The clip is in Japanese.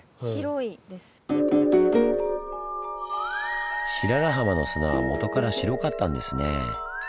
白良浜の砂は元から白かったんですねぇ。